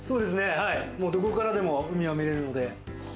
どこからでも海は見れるので。